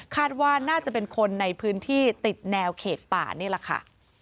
ว่าน่าจะเป็นคนในพื้นที่ติดแนวเขตป่านี่แหละค่ะ